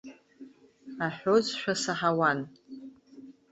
Аҳәозшәа саҳауан.